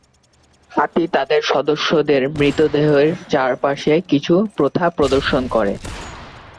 হাতি তাদের সদস্যের মৃতদেহের চারপাশে কিছু প্রথা প্রদর্শন করে।